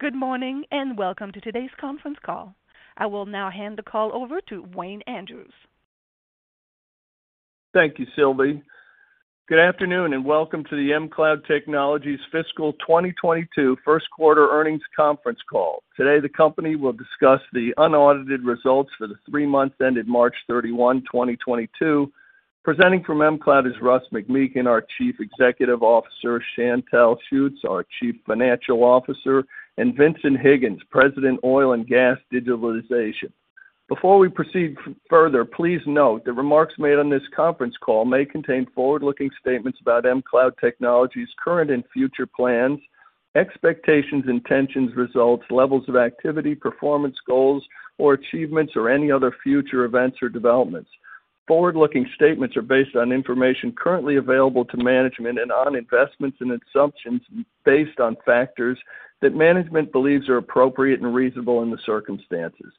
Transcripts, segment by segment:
Good morning, and welcome to today's conference call. I will now hand the call over to Wayne Andrews. Thank you, Sylvie. Good afternoon, and welcome to the mCloud Technologies Fiscal 2022 First Quarter Earnings Conference Call. Today, the company will discuss the unaudited results for the three months ended March 31, 2022. Presenting from mCloud is Russ McMeekin, our Chief Executive Officer, Chantal Schutz, our Chief Financial Officer, and Vincent Higgins, President, Oil and Gas Digitization. Before we proceed further, please note the remarks made on this conference call may contain forward-looking statements about mCloud Technologies' current and future plans, expectations, intentions, results, levels of activity, performance goals or achievements to date, or any other future events or developments. Forward-looking statements are based on information currently available to management and on investments and assumptions based on factors that management believes are appropriate and reasonable in the circumstances.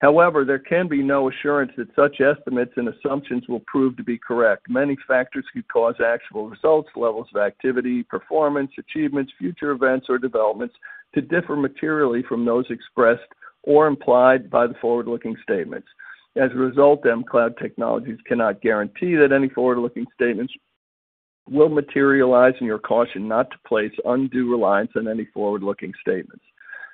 However, there can be no assurance that such estimates and assumptions will prove to be correct. Many factors could cause actual results, levels of activity, performance, achievements, future events or developments to differ materially from those expressed or implied by the forward-looking statements. As a result, mCloud Technologies cannot guarantee that any forward-looking statements will materialize, and you're cautioned not to place undue reliance on any forward-looking statements.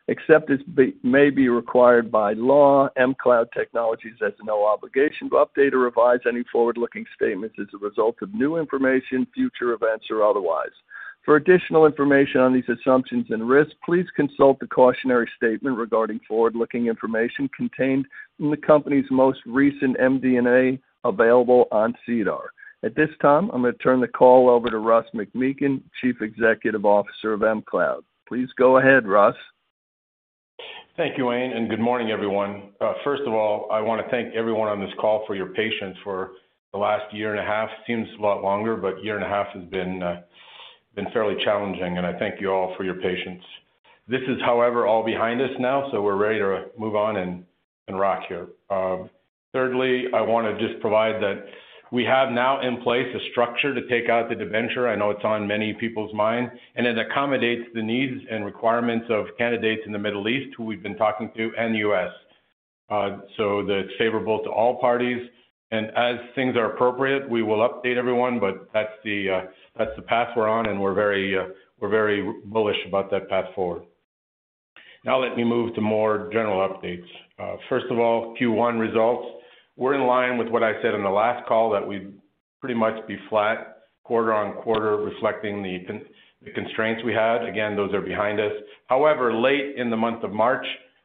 Except as may be required by law, mCloud Technologies has no obligation to update or revise any forward-looking statements as a result of new information, future events or otherwise. For additional information on these assumptions and risks, please consult the cautionary statement regarding forward-looking information contained in the company's most recent MD&A available on SEDAR. At this time, I'm gonna turn the call over to Russ McMeekin, Chief Executive Officer of mCloud. Please go ahead, Russ. Thank you, Wayne, and good morning, everyone. First of all, I wanna thank everyone on this call for your patience for the last year and a half. Seems a lot longer, but year and a half has been fairly challenging, and I thank you all for your patience. This is, however, all behind us now, so we're ready to move on and rock here. Thirdly, I wanna just provide that we have now in place a structure to take out the debenture. I know it's on many people's minds, and it accommodates the needs and requirements of candidates in the Middle East who we've been talking to and U.S. So that's favorable to all parties. As things are appropriate, we will update everyone, but that's the path we're on, and we're very bullish about that path forward. Now let me move to more general updates. First of all, Q1 results. We're in line with what I said on the last call, that we'd pretty much be flat quarter-over-quarter, reflecting the constraints we had. Again, those are behind us. However, late in the month of March,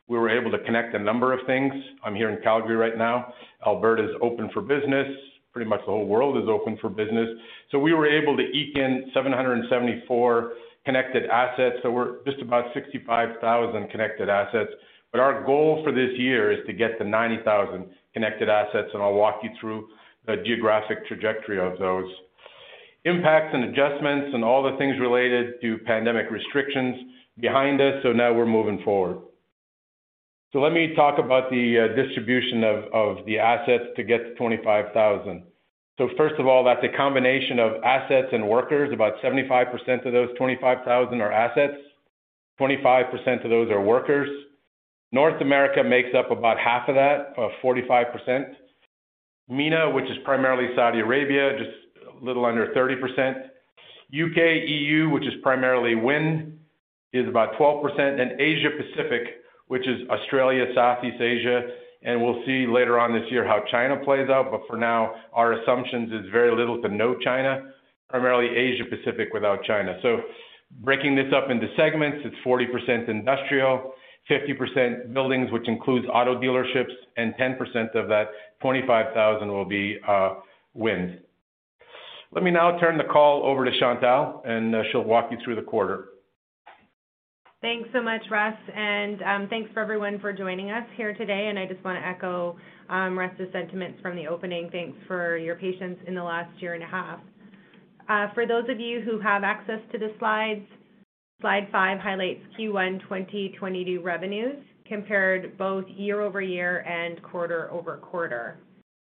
we were able to connect a number of things. I'm here in Calgary right now. Alberta's open for business. Pretty much the whole world is open for business. So we were able to eke in 774 connected assets, so we're just about 65,000 connected assets. But our goal for this year is to get to 90,000 connected assets, and I'll walk you through the geographic trajectory of those. Impacts and adjustments and all the things related to pandemic restrictions behind us, so now we're moving forward. Let me talk about the distribution of the assets to get to 25,000. First of all, that's a combination of assets and workers. About 75% of those 25,000 are assets. 25% of those are workers. North America makes up about half of that, 45%. MENA, which is primarily Saudi Arabia, just a little under 30%. U.K., EU, which is primarily wind, is about 12%. Asia Pacific, which is Australia, Southeast Asia, and we'll see later on this year how China plays out, but for now our assumptions is very little to no China, primarily Asia-Pacific without China. Breaking this up into segments, it's 40% industrial, 50% buildings, which includes auto dealerships, and 10% of that 25,000 will be wind. Let me now turn the call over to Chantal, and she'll walk you through the quarter. Thanks so much, Russ, and thanks to everyone for joining us here today. I just wanna echo Russ's sentiments from the opening. Thanks for your patience in the last year and a half. For those of you who have access to the slides, slide five highlights Q1 2022 revenues compared both year-over-year and quarter-over-quarter,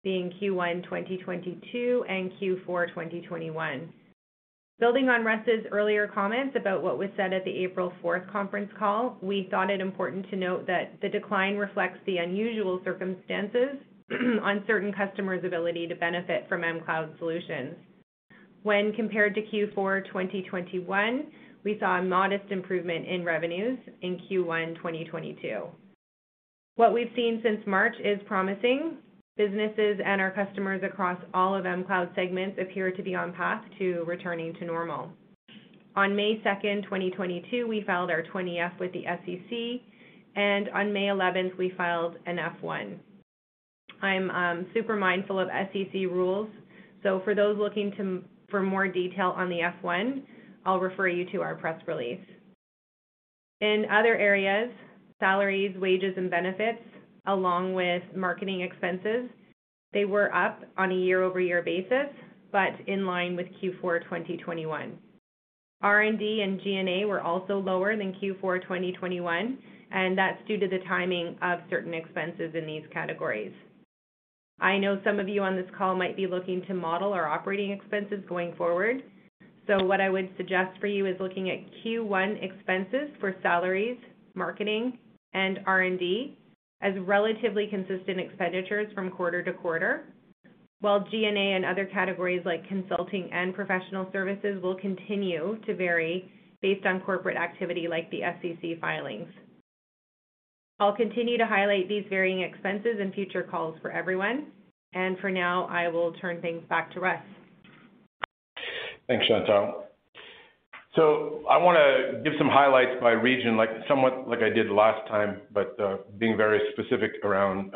being Q1 2022 and Q4 2021. Building on Russ's earlier comments about what was said at the April 4th conference call, we thought it important to note that the decline reflects the unusual circumstances on certain customers' ability to benefit from mCloud solutions. When compared to Q4 2021, we saw a modest improvement in revenues in Q1 2022. What we've seen since March is promising. Businesses and our customers across all of mCloud segments appear to be on path to returning to normal. On May 2nd, 2022, we filed our 20-F with the SEC, and on May 11th, we filed an F-1. I'm super mindful of SEC rules, so for those looking for more detail on the F-1, I'll refer you to our press release. In other areas, salaries, wages and benefits, along with marketing expenses, they were up on a year-over-year basis, but in line with Q4 2021. R&D and G&A were also lower than Q4 2021, and that's due to the timing of certain expenses in these categories. I know some of you on this call might be looking to model our operating expenses going forward. What I would suggest for you is looking at Q1 expenses for salaries, marketing, and R&D as relatively consistent expenditures from quarter to quarter, while G&A and other categories like consulting and professional services will continue to vary based on corporate activity like the SEC filings. I'll continue to highlight these varying expenses in future calls for everyone, and for now, I will turn things back to Russ. Thanks, Chantal. I wanna give some highlights by region, like, somewhat like I did last time, but being very specific around,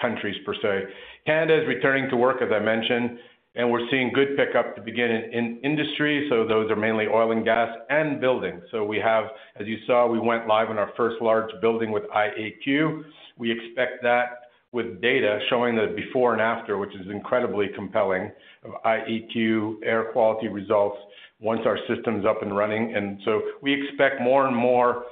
countries per se. Canada is returning to work, as I mentioned, and we're seeing good pickup to begin in industry, so those are mainly oil and gas and building. As you saw, we went live on our first large building with IAQ. We expect that with data showing the before and after, which is incredibly compelling, of IAQ air quality results once our system's up and running. We expect more and more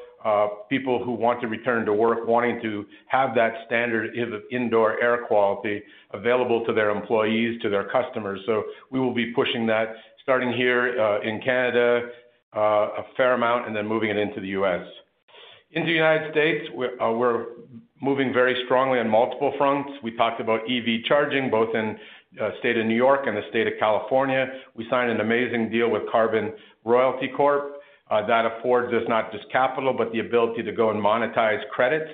people who want to return to work wanting to have that standard of indoor air quality available to their employees, to their customers. We will be pushing that starting here, in Canada, a fair amount and then moving it into the U.S. In the United States we're moving very strongly on multiple fronts. We talked about EV charging, both in the state of New York and the state of California. We signed an amazing deal with Carbon Royalty Corp that affords us not just capital, but the ability to go and monetize credits.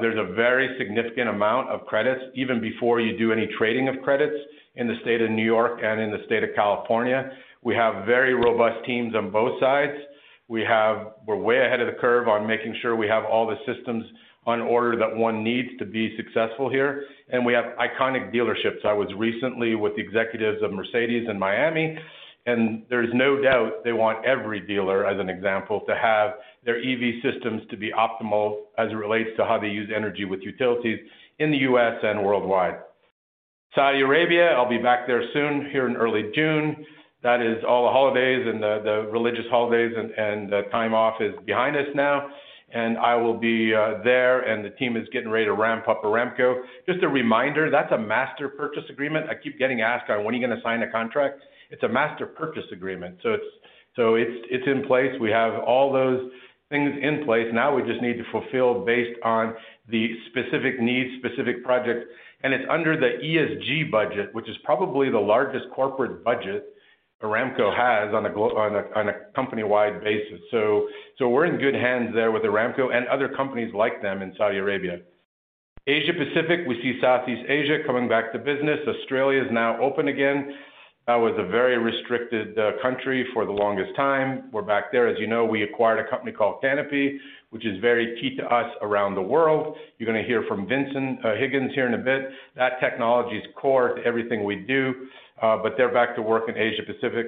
There's a very significant amount of credits even before you do any trading of credits in the state of New York and in the state of California. We have very robust teams on both sides. We're way ahead of the curve on making sure we have all the systems on order that one needs to be successful here, and we have iconic dealerships. I was recently with the executives of Mercedes-Benz in Miami, and there's no doubt they want every dealer, as an example, to have their EV systems to be optimal as it relates to how they use energy with utilities in the U.S. and worldwide. Saudi Arabia, I'll be back there soon, here in early June. That is all the holidays and the religious holidays and the time off is behind us now. I will be there, and the team is getting ready to ramp up Aramco. Just a reminder, that's a master purchase agreement. I keep getting asked, "When are you gonna sign a contract?" It's a master purchase agreement, so it's in place. We have all those things in place. Now we just need to fulfill based on the specific needs, specific projects. It's under the ESG budget, which is probably the largest corporate budget Aramco has on a company-wide basis. So we're in good hands there with Aramco and other companies like them in Saudi Arabia. Asia Pacific, we see Southeast Asia coming back to business. Australia is now open again. Was a very restricted country for the longest time. We're back there. As you know, we acquired a company called Kanepi, which is very key to us around the world. You're gonna hear from Vincent Higgins here in a bit. That technology is core to everything we do, but they're back to work in Asia-Pacific.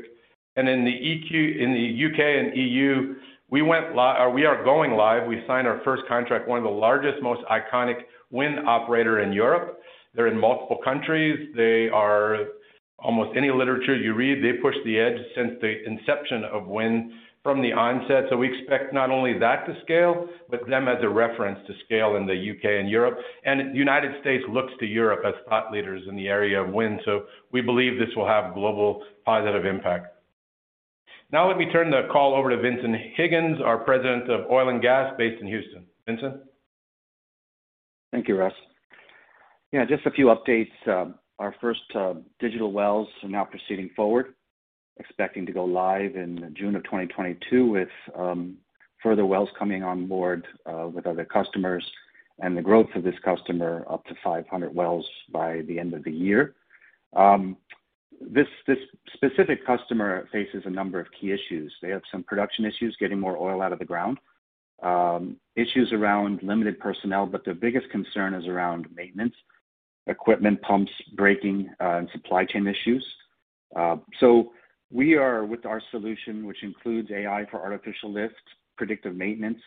In the U.K. and EU, we are going live. We signed our first contract, one of the largest, most iconic wind operator in Europe. They're in multiple countries. They're in almost any literature you read, they push the edge since the inception of wind from the onset. We expect not only that to scale, but them as a reference to scale in the U.K. and Europe. The United States looks to Europe as thought leaders in the area of wind. We believe this will have global positive impact. Now, let me turn the call over to Vincent Higgins, our President of Oil and Gas based in Houston. Vincent. Thank you, Russ. Yeah, just a few updates. Our first digital wells are now proceeding forward, expecting to go live in June 2022 with further wells coming on board with other customers and the growth of this customer up to 500 wells by the end of the year. This specific customer faces a number of key issues. They have some production issues, getting more oil out of the ground, issues around limited personnel, but their biggest concern is around maintenance, equipment pumps, breaking, and supply chain issues. We are with our solution, which includes AI for artificial lifts, predictive maintenance,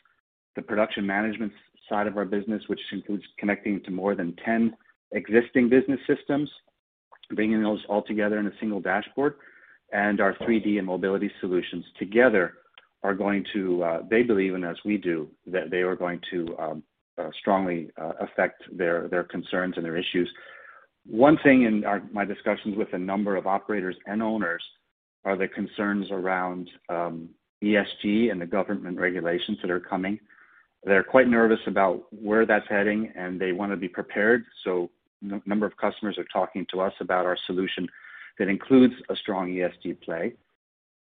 the production management side of our business, which includes connecting to more than 10 existing business systems, bringing those all together in a single dashboard, and our 3D and mobility solutions together are going to, they believe, and as we do, that they are going to strongly affect their concerns and their issues. One thing in my discussions with a number of operators and owners are the concerns around ESG and the government regulations that are coming. They are quite nervous about where that is heading, and they want to be prepared. Number of customers are talking to us about our solution that includes a strong ESG play.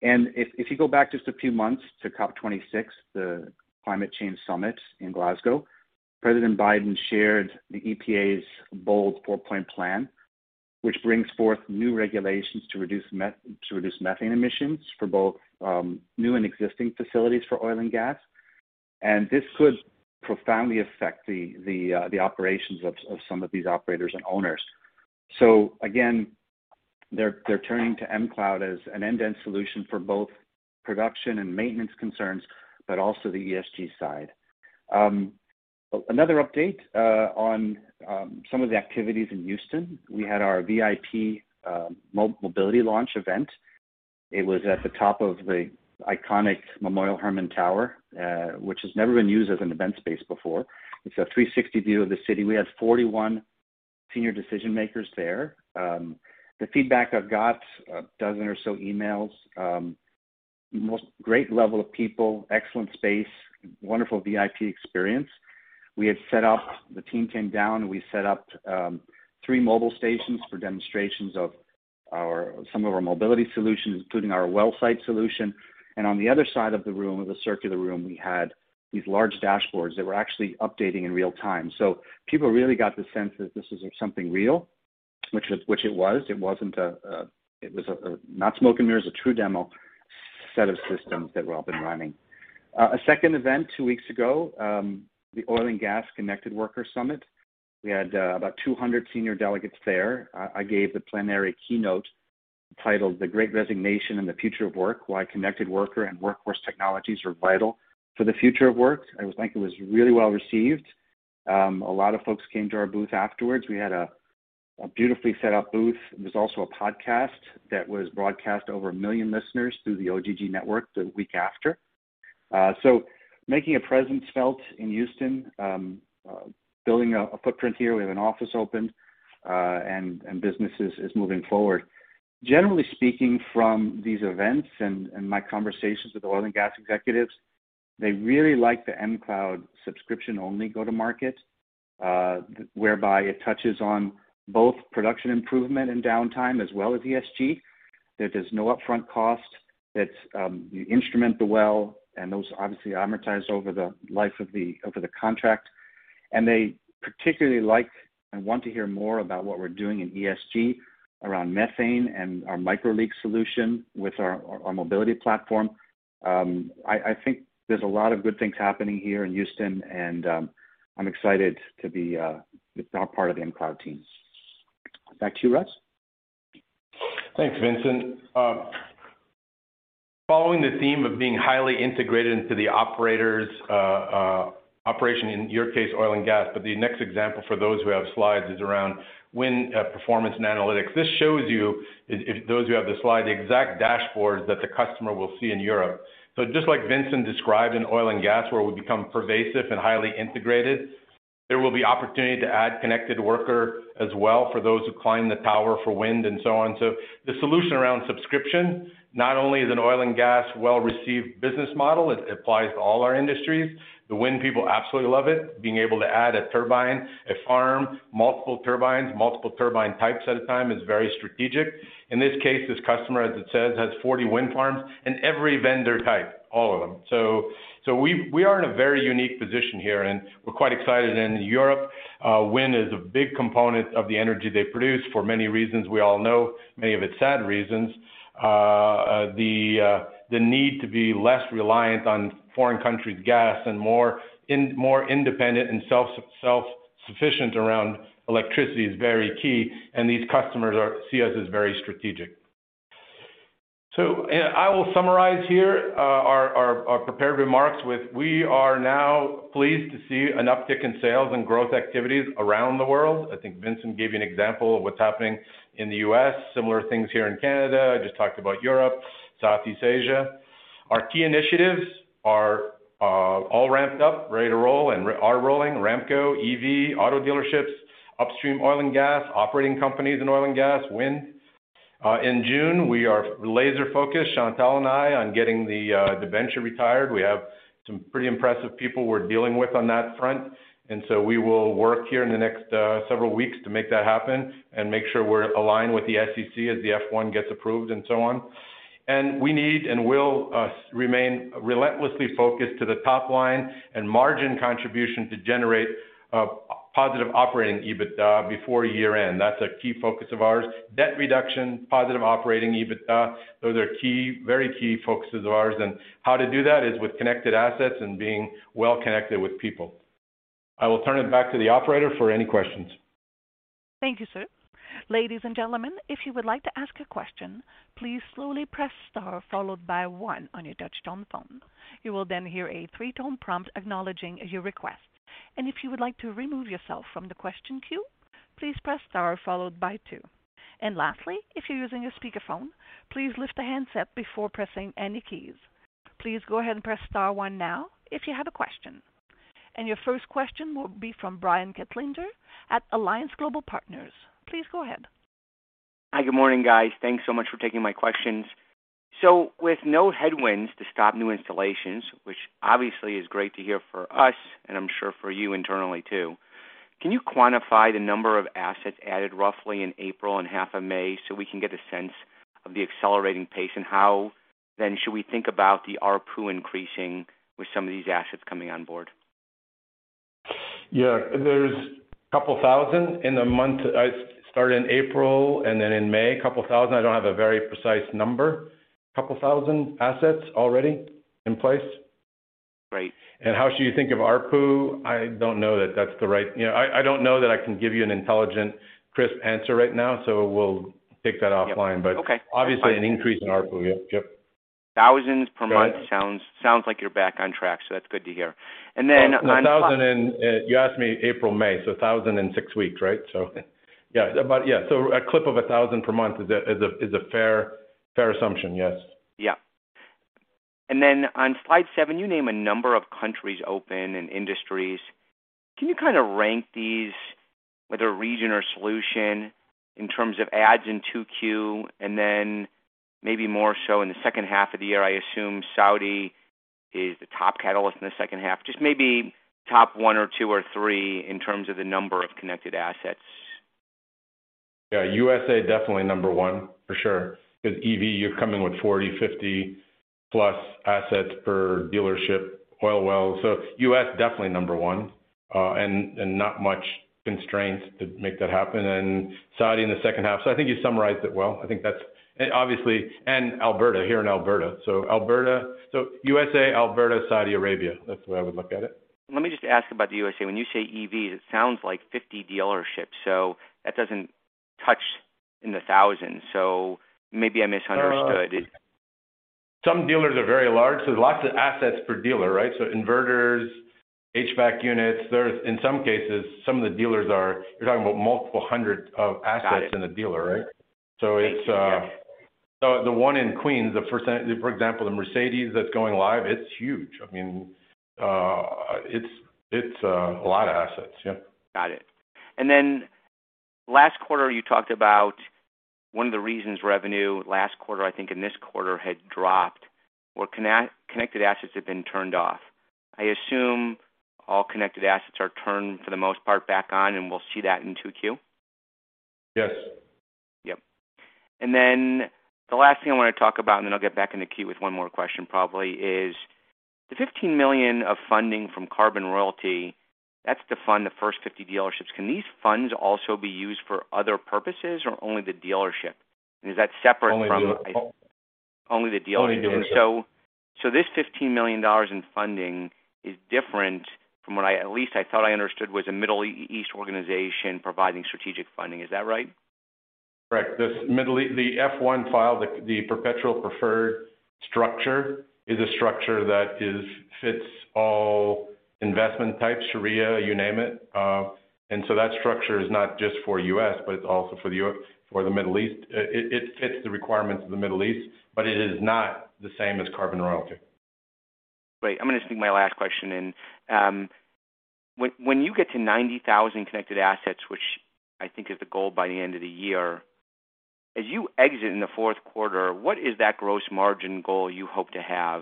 If you go back just a few months to COP26, the Climate Change Summit in Glasgow, President Biden shared the EPA's bold four-point plan, which brings forth new regulations to reduce methane emissions for both new and existing facilities for oil and gas. This could profoundly affect the operations of some of these operators and owners. Again, they're turning to mCloud as an end-to-end solution for both production and maintenance concerns, but also the ESG side. Another update on some of the activities in Houston. We had our VIP mobility launch event. It was at the top of the iconic Memorial Hermann Tower, which has never been used as an event space before. It's a 360 view of the city. We had 41 senior decision-makers there. The feedback I've got, a dozen or so emails, most great level of people, excellent space, wonderful VIP experience. The team came down, and we set up three mobile stations for demonstrations of some of our mobility solutions, including our well site solution. On the other side of the room, of the circular room, we had these large dashboards that were actually updating in real time. People really got the sense that this is something real, which it was. It wasn't a. It was not smoke and mirrors, a true demo set of systems that were up and running. A second event two weeks ago, the Oil and Gas Connected Worker Summit. We had about 200 senior delegates there. I gave the plenary keynote titled The Great Resignation and the Future of Work: Why Connected Worker and Workforce Technologies Are Vital for the Future of Work. I think it was really well-received. A lot of folks came to our booth afterwards. We had a beautifully set up booth. There's also a podcast that was broadcast to over a million listeners through the OGGN network the week after. Making a presence felt in Houston, building a footprint here. We have an office open, and business is moving forward. Generally speaking, from these events and my conversations with oil and gas executives, they really like the mCloud subscription-only go-to-market whereby it touches on both production improvement and downtime as well as ESG. That there's no upfront cost. That, you instrument the well, and those are obviously amortized over the life of the contract. They particularly like and want to hear more about what we're doing in ESG around methane and our microleak solution with our mobility platform. I think there's a lot of good things happening here in Houston and I'm excited to be now part of the mCloud team. Back to you, Russ. Thanks, Vincent. Following the theme of being highly integrated into the operators' operation, in your case, oil and gas, but the next example for those who have slides is around wind performance and analytics. This shows you, those who have the slide, the exact dashboards that the customer will see in Europe. Just like Vincent described in oil and gas, where we've become pervasive and highly integrated, there will be opportunity to add connected worker as well for those who climb the tower for wind and so on. The solution around subscription not only is an oil and gas well-received business model, it applies to all our industries. The wind people absolutely love it. Being able to add a turbine, a farm, multiple turbines, multiple turbine types at a time is very strategic. In this case, this customer, as it says, has 40 wind farms and every vendor type, all of them. We are in a very unique position here, and we're quite excited. In Europe, wind is a big component of the energy they produce for many reasons we all know, many of them sad reasons. The need to be less reliant on foreign countries' gas and more independent and self-sufficient around electricity is very key, and these customers see us as very strategic. I will summarize here, our prepared remarks with we are now pleased to see an uptick in sales and growth activities around the world. I think Vincent gave you an example of what's happening in the U.S. Similar things here in Canada. I just talked about Europe, Southeast Asia. Our key initiatives are all ramped up, ready to roll and are rolling. Aramco, EV, auto dealerships, upstream oil and gas, operating companies in oil and gas, wind. In June, we are laser-focused, Chantal and I, on getting the venture retired. We have some pretty impressive people we're dealing with on that front. We will work here in the next several weeks to make that happen and make sure we're aligned with the SEC as the F-1 gets approved and so on. We need and will remain relentlessly focused to the top line and margin contribution to generate a positive operating EBITDA before year-end. That's a key focus of ours. Debt reduction, positive operating EBITDA, those are key, very key focuses of ours, and how to do that is with connected assets and being well connected with people. I will turn it back to the operator for any questions. Thank you, sir. Ladies and gentlemen, if you would like to ask a question, please slowly press star followed by one on your touchtone phone. You will then hear a three-tone prompt acknowledging your request. If you would like to remove yourself from the question queue, please press star followed by two. Lastly, if you're using a speakerphone, please lift the handset before pressing any keys. Please go ahead and press star one now if you have a question. Your first question will be from Brian Kinstlinger at Alliance Global Partners. Please go ahead. Hi. Good morning, guys. Thanks so much for taking my questions. With no headwinds to stop new installations, which obviously is great to hear for us and I'm sure for you internally too, can you quantify the number of assets added roughly in April and half of May, so we can get a sense of the accelerating pace? How then should we think about the ARPU increasing with some of these assets coming on board? Yeah. There's a couple thousand in the month I started in April and then in May, couple thousand. I don't have a very precise number. Couple thousand assets already in place. Great. How should you think of ARPU? I don't know that that's the right. You know, I don't know that I can give you an intelligent, crisp answer right now, so we'll take that offline. Yep. Okay. Obviously an increase in ARPU. Yep. Yep. Thousands per month sounds like you're back on track, so that's good to hear. Then- Well, 1,000 and you asked me April, May, so 1,000 in six weeks, right? Yeah. Yeah, so a clip of 1,000 per month is a fair assumption, yes. Yeah. Then on slide seven, you name a number of countries open and industries. Can you kinda rank these with a region or solution in terms of adds in 2Q and then maybe more so in the second half of the year? I assume Saudi is the top catalyst in the second half. Just maybe top one or two or three in terms of the number of connected assets. Yeah. U.S.A. definitely number one for sure because EV, you're coming with 40, 50+ assets per dealership. Oil wells. U.S. definitely number one, and not much constraints to make that happen and Saudi in the second half, so I think you summarized it well. I think that's. Obviously Alberta, here in Alberta. Alberta. U.S.A., Alberta, Saudi Arabia. That's the way I would look at it. Let me just ask about the U.S. When you say EVs, it sounds like 50 dealerships, so that doesn't touch on the thousands. Maybe I misunderstood. Some dealers are very large, so there's lots of assets per dealer, right? Inverters, HVAC units. In some cases, you're talking about multiple hundred of assets. Got it. in a dealer, right? It's... Thank you. Yeah. The one in Queens, for example, the Mercedes-Benz that's going live, it's huge. I mean, it's a lot of assets. Yeah. Got it. Last quarter you talked about one of the reasons revenue last quarter, I think, and this quarter had dropped were connected assets had been turned off. I assume all connected assets are turned, for the most part, back on and we'll see that in 2Q? Yes. Yep. Then the last thing I wanna talk about, and then I'll get back in the queue with one more question probably, is the $15 million of funding from Carbon Royalty, that's to fund the first 50 dealerships. Can these funds also be used for other purposes or only the dealership? Is that separate from? Only the dealership. Only the dealership. Only dealership. This $15 million in funding is different from what I, at least I thought I understood was a Middle East organization providing strategic funding. Is that right? Correct. This Middle East, the F-1 file, the perpetual preferred structure is a structure that fits all investment types, Sharia, you name it. That structure is not just for U.S., but it's also for the Middle East. It fits the requirements of the Middle East, but it is not the same as Carbon Royalty. Great. I'm gonna sneak my last question in. When you get to 90,000 connected assets, which I think is the goal by the end of the year, as you exit in the fourth quarter, what is that gross margin goal you hope to have?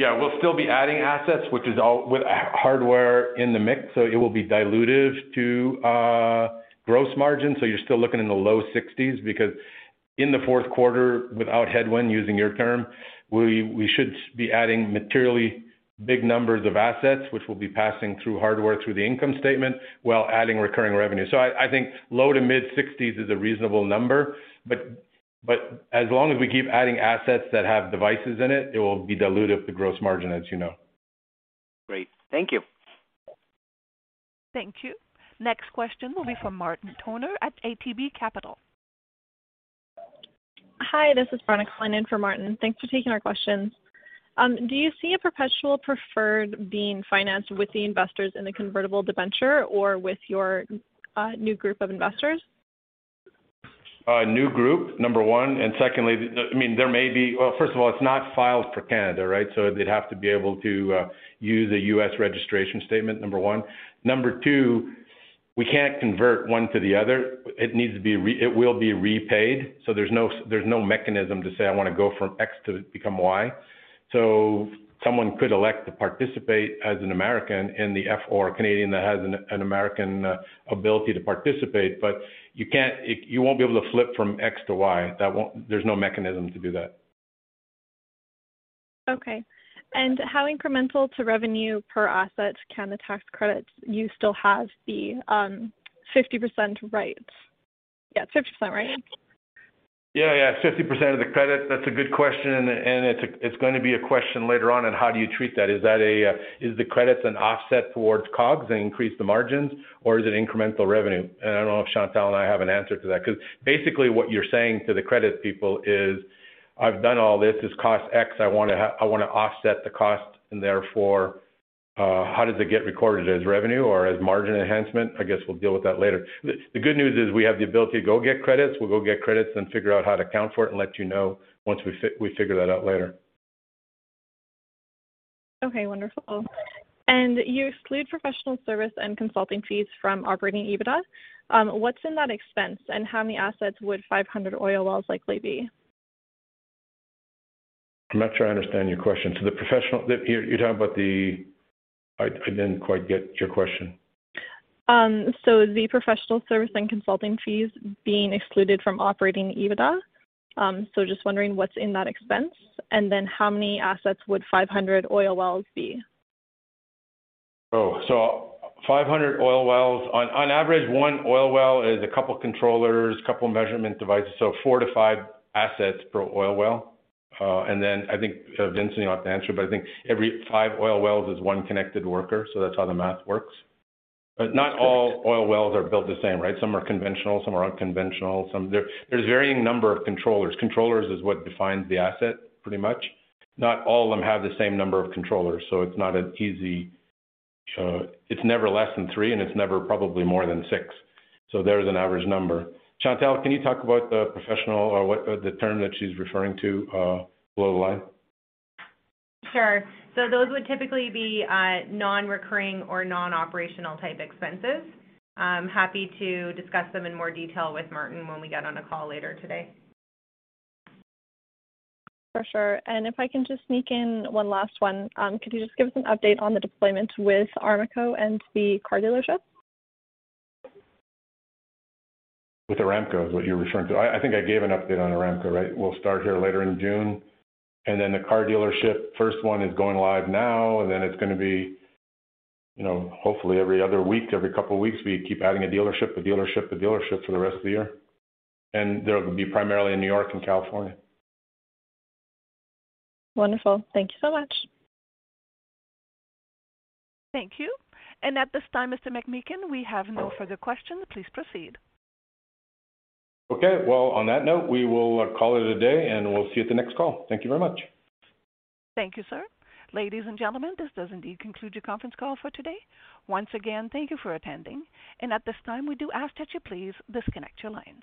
Yeah. We'll still be adding assets, which is all with hardware in the mix, so it will be dilutive to gross margin. You're still looking in the low 60s% because in the fourth quarter, without headwind, using your term, we should be adding materially big numbers of assets, which will be passing through hardware through the income statement while adding recurring revenue. I think low-to-mid 60s% is a reasonable number, but as long as we keep adding assets that have devices in it will be dilutive to gross margin, as you know. Great. Thank you. Thank you. Next question will be from Martin Toner at ATB Capital. Hi, this is Veronica Lennon in for Martin. Thanks for taking our questions. Do you see a perpetual preferred being financed with the investors in the convertible debenture or with your new group of investors? New group, number one. Well, first of all, it's not filed for Canada, right? They'd have to be able to use a U.S. registration statement, number one. Number two, we can't convert one to the other. It needs to be repaid, so there's no mechanism to say I wanna go from X to become Y. Someone could elect to participate as an American in the F-1 or a Canadian that has an American ability to participate. You won't be able to flip from X to Y. There's no mechanism to do that. Okay. How incremental to revenue per asset can the tax credits you still have be? 50%, right? Yeah, 50%, right? Yeah, yeah. 50% of the credit. That's a good question, and it's gonna be a question later on in how do you treat that? Is the credits an offset towards COGS that increase the margins or is it incremental revenue? I don't know if Chantal and I have an answer to that 'cause basically what you're saying to the credit people is, "I've done all this. This costs X. I wanna offset the cost, and therefore, how does it get recorded as revenue or as margin enhancement?" I guess we'll deal with that later. The good news is we have the ability to go get credits. We'll go get credits, then figure out how to account for it and let you know once we figure that out later. Okay, wonderful. You exclude professional service and consulting fees from operating EBITDA. What's in that expense and how many assets would 500 oil wells likely be? I'm not sure I understand your question. I didn't quite get your question. The professional service and consulting fees being excluded from operating EBITDA, just wondering what's in that expense and then how many assets would 500 oil wells be? 500 oil wells. On average, one oil well is a couple controllers, couple measurement devices, so four to five assets per oil well. I think, Vincent, you'll have to answer, but I think every five oil wells is one connected worker, so that's how the math works. Not all oil wells are built the same, right? Some are conventional, some are unconventional. There's varying number of controllers. Controllers is what defines the asset pretty much. Not all of them have the same number of controllers, so it's not an easy. It's never less than three, and it's never probably more than six. There's an average number. Chantal, can you talk about the professional or what, the term that she's referring to, below the line? Sure. Those would typically be non-recurring or non-operational type expenses. I'm happy to discuss them in more detail with Martin when we get on a call later today. For sure. If I can just sneak in one last one. Could you just give us an update on the deployment with Aramco and the car dealership? With Aramco is what you're referring to. I think I gave an update on Aramco, right? We'll start there later in June. The car dealership, first one is going live now, and then it's gonna be, you know, hopefully every other week, every couple weeks, we keep adding a dealership for the rest of the year. They'll be primarily in New York and California. Wonderful. Thank you so much. Thank you. At this time, Mr. McMeekin, we have no further questions. Please proceed. Okay. Well, on that note, we will call it a day, and we'll see you at the next call. Thank you very much. Thank you, sir. Ladies and gentlemen, this does indeed conclude your conference call for today. Once again, thank you for attending. At this time, we do ask that you please disconnect your lines.